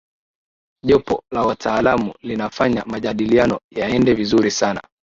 jopo la wataalamu linafanya majadiliano yaende vizuri sana